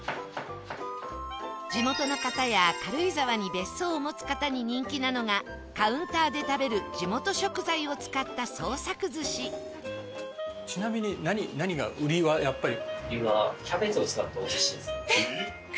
地元の方や軽井沢に別荘を持つ方に人気なのがカウンターで食べるちなみに何が売りはやっぱり？